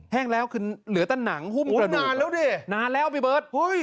แห้งแล้วคือเหลือแต่หนังหุ้มกระโดดนานแล้วพี่เบิร์ต